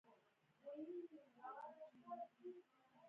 آیا پښتون په خپلو ژمنو وفا نه کوي؟